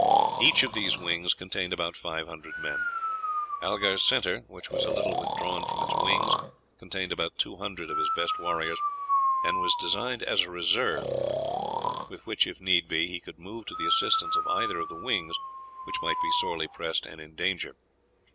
Each of these wings contained about five hundred men. Algar's centre, which was a little withdrawn from its wings, contained about 200 of his best warriors, and was designed as a reserve, with which, if need be, he could move to the assistance of either of the wings which might be sorely pressed and in danger.